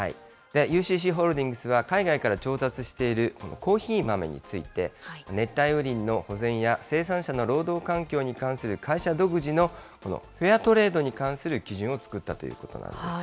ＵＣＣホールディングスは、海外から調達している、このコーヒー豆について、熱帯雨林の保全や生産者の労働環境に関する会社独自のフェアトレードに関する基準を作ったということなんです。